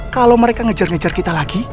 kalau mereka ngejar ngejar kita lagi